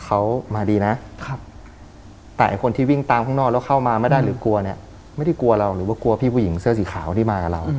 เขามาดีนะแต่ไอ้คนที่วิ่งตามข้างนอกแล้วเข้ามาไม่ได้หรือกลัวเนี่ยไม่ได้กลัวเราหรือว่ากลัวพี่ผู้หญิงเสื้อสีขาวที่มากับเรา